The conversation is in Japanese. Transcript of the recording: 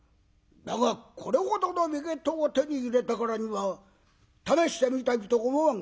だがこれほどの名刀を手に入れたからには試してみたいと思わんか。